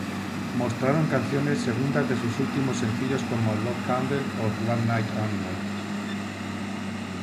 Mostraron canciones segundas de sus últimos sencillos como Love Candle o One Night Animal.